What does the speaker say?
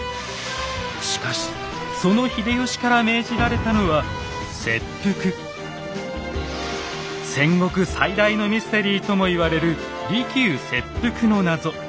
しかしその秀吉から命じられたのは戦国最大のミステリーとも言われる利休切腹の謎。